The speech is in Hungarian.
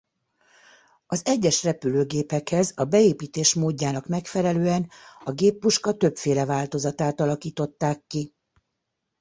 Az egyes repülőgépekhez a beépítés módjának megfelelően a géppuska többféle változatát alakították ki.